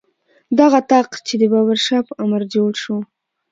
دغه طاق چې د بابر شاه په امر جوړ شو.